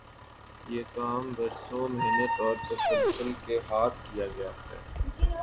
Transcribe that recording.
یہ کام برسوں محنت اور تسلسل کے ساتھ کیا گیا ہے۔